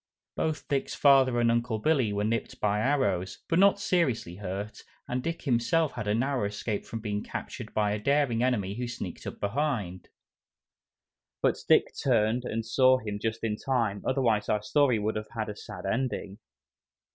Both Dick's father and Uncle Billy were "nipped" by arrows, but not seriously hurt, and Dick himself had a narrow escape from being captured by a daring enemy who sneaked up behind. But Dick turned and saw him just in time, otherwise our story would have had a sad ending.